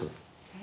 え？